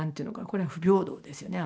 これは不平等ですよね。